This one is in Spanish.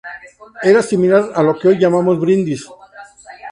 Era similar a lo que hoy llamamos brindis.